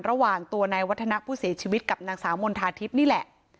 ระหว่างตัวนายวัฒนะผู้เสียชีวิตกับนางสาวมณฑาทิพย์นี่แหละ